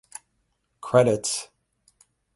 Credits.